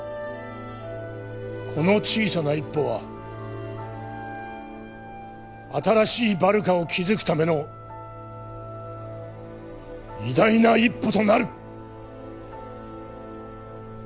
この小さな一歩は新しいバルカを築くための偉大な一歩となる！